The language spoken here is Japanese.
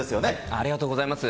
ありがとうございます。